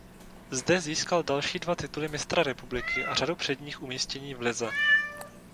Zde získal další dva tituly mistra republiky a řadu předních umístění v lize.